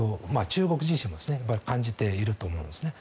中国自身も感じていると思いますね。